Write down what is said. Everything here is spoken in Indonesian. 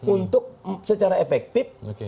untuk secara efektif